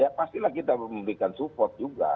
ya pastilah kita memberikan support juga